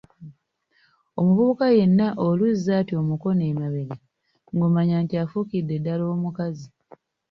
Omuvubuka yenna oluzza ati omukono emabega ng'omanya nti afuukidde ddala omukazi.